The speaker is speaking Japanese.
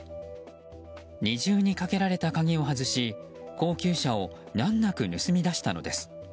二重にかけられた鍵を外し高級車を難なく盗み出したのです。